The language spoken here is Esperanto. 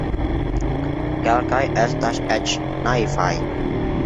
Kelkaj estas eĉ naivaj.